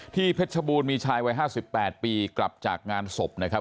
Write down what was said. ที่เพชรบูรณ์มีชายวัยห้าสิบแปดปีกลับจากงานศพนะครับ